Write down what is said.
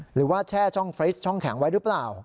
หรือว่าแช่ช่องฟรีสช่องแข็งไว้หรือเปล่า